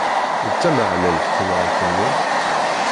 D tameɛlalt temrart-nni.